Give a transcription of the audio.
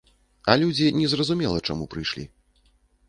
А людзі не зразумела чаму прыйшлі.